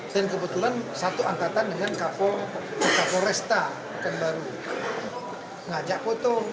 dan kebetulan satu angkatan dengan kapolresta kan baru ngajak foto